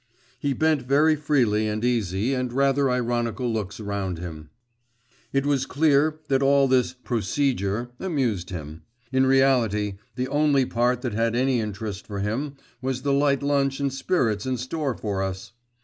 He bent very free and easy and rather ironical looks around him; it was clear that all this 'procedure' amused him. In reality, the only part that had any interest for him was the light lunch and spirits in store for us.